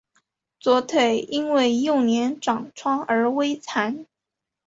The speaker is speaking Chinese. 左腿因为幼年长疮而微残。